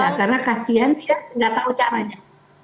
tidak bisa karena kasihan dia tidak tahu caranya